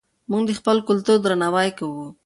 موږ د خپل کلتور درناوی کوو.